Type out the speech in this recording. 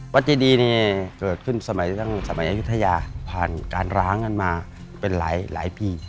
เจดีนี่เกิดขึ้นสมัยอายุทยาผ่านการร้างกันมาเป็นหลายปี